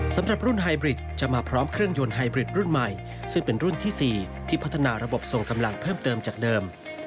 สำหรับรุ่นไฮบริดจะมาพร้อมเครื่องยนต์ไฮบริดรุ่นใหม่ซึ่งเป็นรุ่นที่๔ที่พัฒนาระบบส่งกำลังเพิ่มเติมจากเดิม